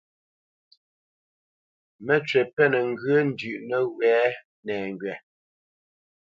Məcywǐ pɛ́nə ŋgyə̂ ndʉ̌ʼ nəwɛ̌ nɛŋgywa.